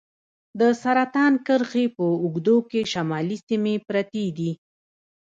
د سرطان کرښې په اوږدو کې شمالي سیمې پرتې دي.